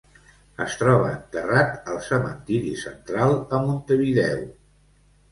Es troba enterrat al Cementiri Central, a Montevideo.